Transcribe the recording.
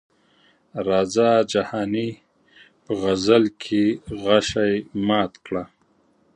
راځه جهاني په غزل کې غشي مات کړه.